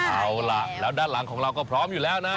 เอาล่ะแล้วด้านหลังของเราก็พร้อมอยู่แล้วนะ